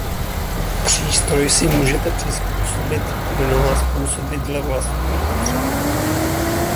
Přístroj si můžete přizpůsobit mnoha způsoby dle vlastní potřeby.